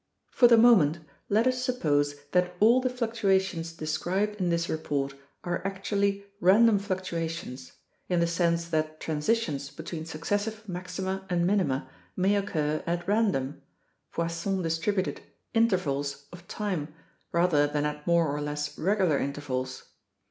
For the moment let us suppose that all the fluctuations described in this report are actually random fluctua tions, in the sense that transitions between successive maxima and minima may occur at random (Poisson distributed) intervals of time rather than at more or less regular intervals.